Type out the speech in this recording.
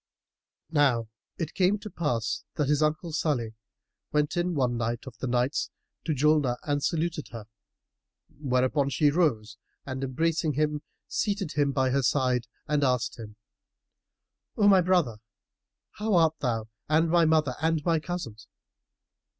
Now it came to pass that his uncle Salih went in one night of the nights to Julnar and saluted her; whereupon she rose and embracing him seated him by her side and asked him, "O my brother, how art thou and my mother and my cousins?"